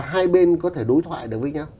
đó là hai bên có thể đối thoại được với nhau